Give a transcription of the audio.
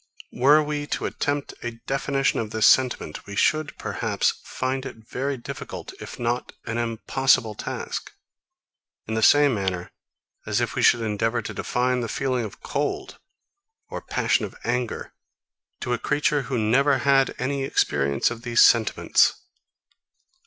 40. Were we to attempt a definition of this sentiment, we should, perhaps, find it a very difficult, if not an impossible task; in the same manner as if we should endeavour to define the feeling of cold or passion of anger, to a creature who never had any experience of these sentiments.